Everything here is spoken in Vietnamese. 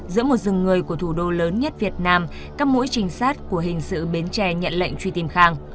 giữa một rừng người của thủ đô lớn nhất việt nam các mũi trinh sát của hình sự bến tre nhận lệnh truy tìm khang